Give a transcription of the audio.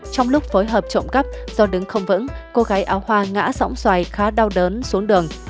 trong lúc phối hợp trộm cắp do đứng không vững cô gái áo hoa ngã sỏng xoài khá đau đớn xuống đường